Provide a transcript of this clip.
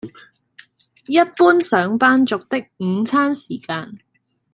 一般上班族的午餐時間